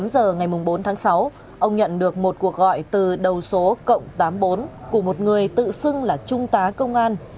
tám giờ ngày bốn tháng sáu ông nhận được một cuộc gọi từ đầu số cộng tám mươi bốn của một người tự xưng là trung tá công an